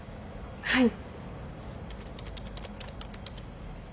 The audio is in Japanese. はい。